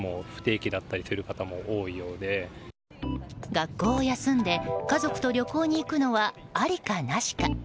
学校を休んで家族と旅行に行くのはありか、なしか。